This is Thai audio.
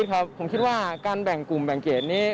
ครับผมคิดว่าการแบ่งกลุ่มแบ่งเกรดนี้